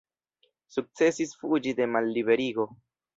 Sukcesis fuĝi de malliberigo.